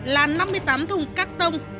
là năm mươi tám thùng cắt tông